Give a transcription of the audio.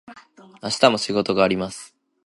明日も仕事があります。